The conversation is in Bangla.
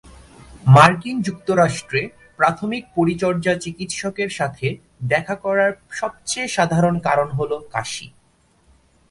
মার্কিন যুক্তরাষ্ট্রে প্রাথমিক পরিচর্যা চিকিৎসকের সাথে দেখা করার সবচেয়ে সাধারণ কারণ হল কাশি।